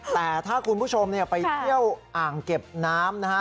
แต่ถ้าคุณผู้ชมไปเที่ยวอ่างเก็บน้ำนะฮะ